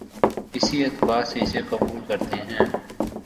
اسی اعتبار سے اسے قبول کرتے ہیں